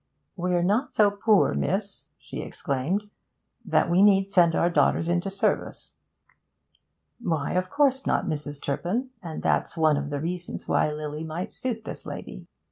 'We're not so poor, miss,' she exclaimed, 'that we need send our daughters into service,' 'Why, of course not, Mrs. Turpin, and that's one of the reasons why Lily might suit this lady.'